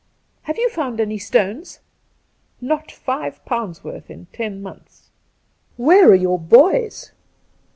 ' Have you found any stones ?'' Not five poimds' worth in ten months !'' Where are your boys